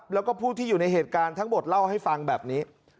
แล้วก็ผู้ที่อยู่ในเหตุการณ์ทั้งหมดเล่าให้ฟังแบบนี้